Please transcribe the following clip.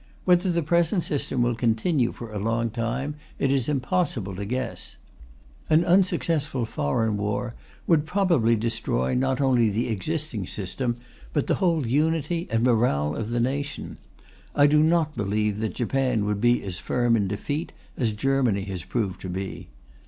Whether the present system will continue for a long time, it is impossible to guess. An unsuccessful foreign war would probably destroy not only the existing system, but the whole unity and morale of the nation; I do not believe that Japan would be as firm in defeat as Germany has proved to be.